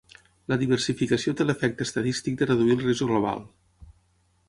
La diversificació té l'efecte estadístic de reduir el risc global.